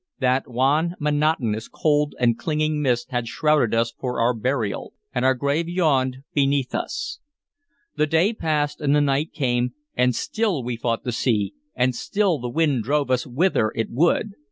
That wan, monotonous, cold, and clinging mist had shrouded us for our burial, and our grave yawned beneath us. The day passed and the night came, and still we fought the sea, and still the wind drove us whither it would.